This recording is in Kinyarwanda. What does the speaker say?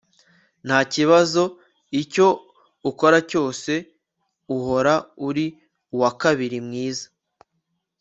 ntakibazo icyo ukora cyose, uhora uri uwakabiri mwiza